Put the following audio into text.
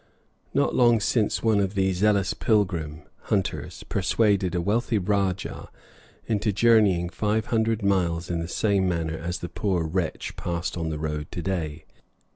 Not long since one of these zealous pilgrim hunters persuaded a wealthy rajah into journeying five hundred miles in the same manner as the poor wretch passed on the road to day.